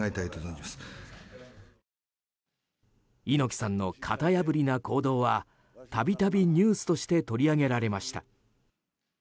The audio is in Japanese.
猪木さんの型破りな行動は度々ニュースとして取り上げられました。